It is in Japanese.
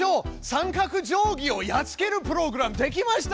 三角定規をやっつけるプログラムできましたよ！